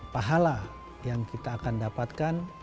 pahala yang kita akan dapatkan